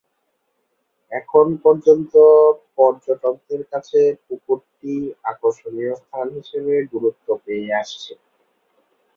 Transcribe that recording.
এখন পর্যন্ত পর্যটকদের কাছে পুকুরটি আকর্ষণীয় স্থান হিসেবে গুরুত্ব পেয়ে আসছে।